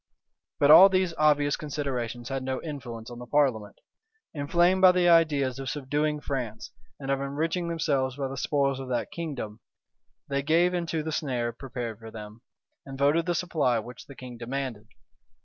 But all these obvious considerations had no influence on the parliament. Inflamed by the ideas of subduing France, and of enriching themselves by the spoils of that kingdom, they gave into the snare prepared for them, and voted the supply which the king demanded.